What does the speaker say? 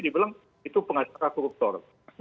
dibilang itu pengacara koruptor